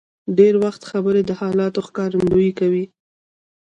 ډېر وخت خبرې د حالاتو ښکارندویي کوي.